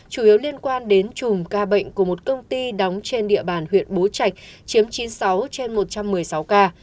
chủ yếu liên quan đến chùm ca bệnh của một công ty đóng trên địa bàn huyện bố trạch chiếm chín mươi sáu trên một trăm một mươi sáu ca